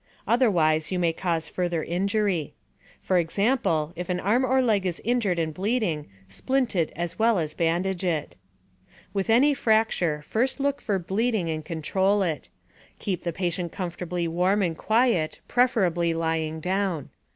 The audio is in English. Otherwise, you may cause further injury. For example, if an arm or leg is injured and bleeding, splint it as well as bandage it. With any fracture, first look for bleeding and control it. Keep the patient comfortably warm and quiet, preferably lying down.